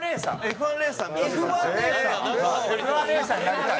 Ｆ１レーサーになりたい？